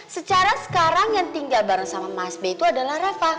secara sekarang yang tinggal bareng sama mas b itu adalah rafa